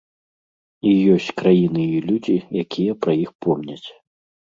І ёсць краіны і людзі, якія пра іх помняць.